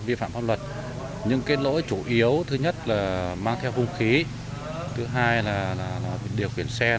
vi phạm pháp luật nhưng cái lỗi chủ yếu thứ nhất là mang theo hung khí thứ hai là điều khiển xe